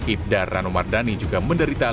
ibda rano mardani juga menderita